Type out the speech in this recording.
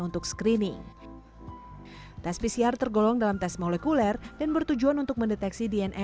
untuk screening tes pcr tergolong dalam tes molekuler dan bertujuan untuk mendeteksi dna